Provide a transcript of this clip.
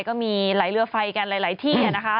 ก็มีไหลเรือไฟกันหลายที่นะคะ